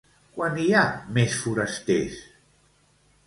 Quan hi ha més forasters?